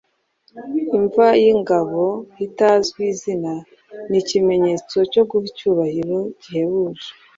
Imva y’Ingabo Itazwi izina ni ikimenyetso cyo guha icyubahiro gihebuje